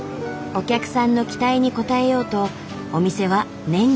お客さんの期待に応えようとお店は年中無休。